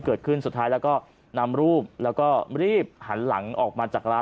สุดท้ายแล้วก็นำรูปแล้วก็รีบหันหลังออกมาจากร้าน